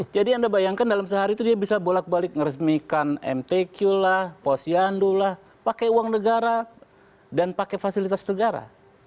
jadi anda bayangkan dalam sehari itu dia bisa bolak balik ngeresmikan mtq lah posyandu lah pakai uang negara dan pakai fasilitas negara